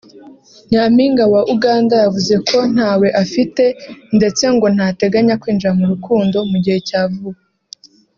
Nyampinga wa Uganda yavuze ko ntawe afite ndetse ngo ntateganya kwinjira mu rukundo mu gihe cya vuba